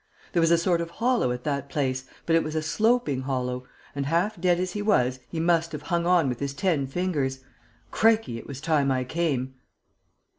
There was a sort of hollow at that place, but it was a sloping hollow; and, half dead as he was, he must have hung on with his ten fingers. Crikey, it was time I came!"